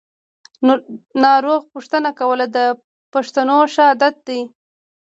ناروغ پوښتنه کول د پښتنو ښه عادت دی.